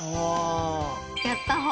やった方。